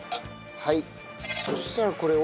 はい。